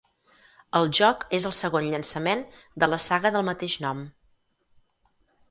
El joc és el segon llançament de la saga del mateix nom.